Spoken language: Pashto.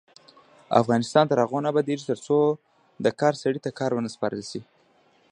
افغانستان تر هغو نه ابادیږي، ترڅو د کار سړي ته کار ونه سپارل شي.